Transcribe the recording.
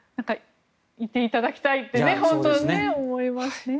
いていただきたいと本当に思いますね。